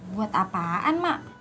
buat apaan mak